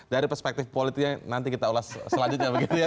dari perspektif politiknya nanti kita ulas selanjutnya begitu ya